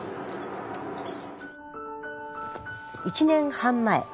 １年半前